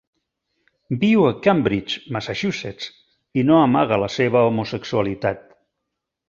Viu a Cambridge, Massachusetts, i no amaga la seva homosexualitat.